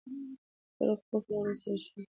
خپله پوهه له نورو سره شریک کړئ.